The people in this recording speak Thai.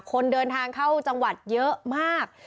คนเดินทางเข้าจังหวัดเยอะมาก